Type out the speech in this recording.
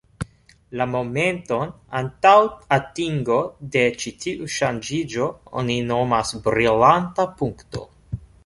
La momenton antaŭ atingo de ĉi tiu ŝanĝiĝo oni nomas brilanta punkto.